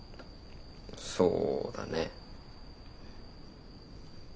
そうだね。